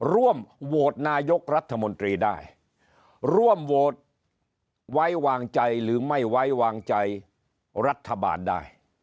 ร่วมโหวตนายกรัฐมนตรีได้ร่วมโหวตไว้วางใจหรือไม่ไว้วางใจรัฐบาลได้